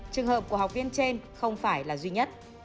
trường hợp của học viên trên không phải là duy nhất